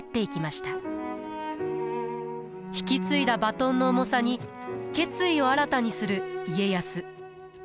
引き継いだバトンの重さに決意を新たにする家康。